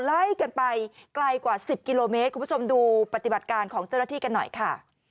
ไล่กันไปไกลกว่า๑๐กิโลเมตรคุณผู้ชมดูปฏิบัติการของเจ้าหน้าที่กันหน่อยค่ะ